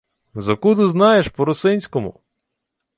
— Зодкуду знаєш по-русинському?